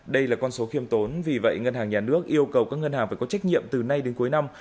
đây là con số khiêm tốn vì vậy ngân hàng nhà nước yêu cầu các ngân hàng phải có trách nhiệm từ nay đến cuối năm